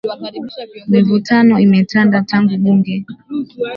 Mivutano imetanda tangu bunge